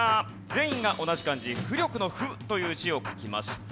全員が同じ漢字浮力の「浮」という字を書きました。